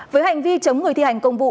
với hành vi chống người thi hành công vụ